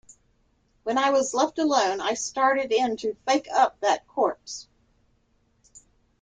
When I was left alone I started in to fake up that corpse.